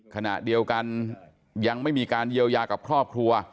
ขณะเดียวกันยังไม่มีการเยียวยากับครอบครัว